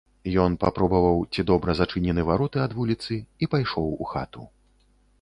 Ён папробаваў, ці добра зачынены вароты ад вуліцы, і пайшоў у хату.